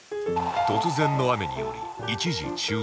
突然の雨により一時中断